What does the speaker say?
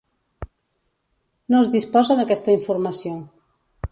No es disposa d'aquesta informació.